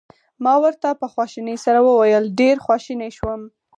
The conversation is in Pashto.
ما ورته په خواشینۍ سره وویل: ډېر خواشینی شوم.